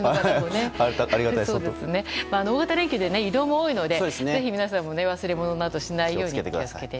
大型連休で移動も多いのでぜひ、皆さんも忘れ物しないように。